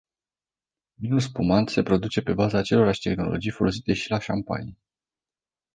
Vinul spumant se produce pe baza acelorași tehnologii folosite și la șampanie.